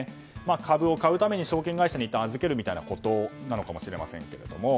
株を買うために証券会社にいったん預けるといったことなのかもしれませんが。